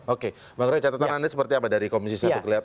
oke bang rey catatan anda seperti apa dari komisi satu kelihatan